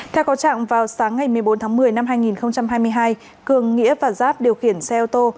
theo có trạng vào sáng ngày một mươi bốn tháng một mươi năm hai nghìn hai mươi hai cường nghĩa và giáp điều khiển xe ô tô